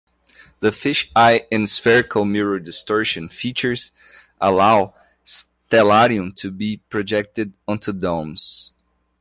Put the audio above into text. The fisheye and spherical mirror distortion features allow Stellarium to be projected onto domes.